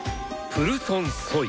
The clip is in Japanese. プルソン・ソイ。